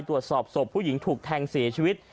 ตรวจสอบศพผู้หญิงถูกแทงเสียชีวิต